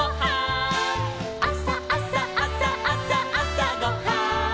「あさあさあさあさあさごはん」